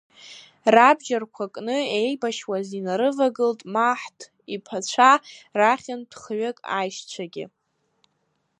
Рабџьа-рқәа кны еибашьуаз инарывагылт Маҳҭ иԥацәа рахьынтә хҩык аишьцәагьы…